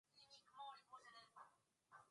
wakati wa mchana na utakuwa na saa